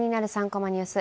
３コマニュース」